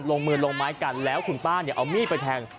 ลงมือลงไม้กันแล้วคุณป้าเนี่ยเอามีดไปแทง